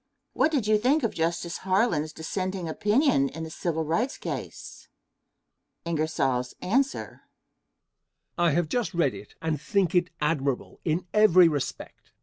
What do you think of Justice Harlan's dissenting opinion in the Civil Rights case? Answer. I have just read it and think it admirable in every respect.